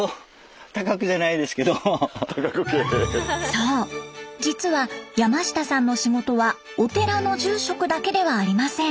そう実は山下さんの仕事はお寺の住職だけではありません。